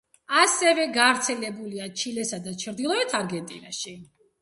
ასევე გავრცელებულია ჩილესა და ჩრდილოეთ არგენტინაში.